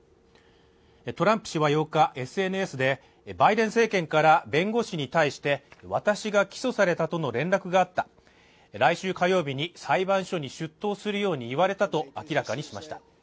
トランプ氏は８日、ＳＮＳでバイデン政権から弁護士に対して私が起訴されたとの連絡があった来週火曜日に裁判所に出頭するように言われたと明らかにしました